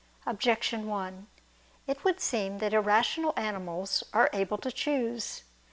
Objection 1: It would seem that irrational animals are able to choose.